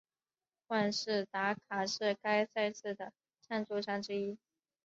万事达卡是该赛事的赞助商之一。